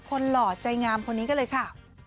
หล่อใจงามคนนี้กันเลยค่ะ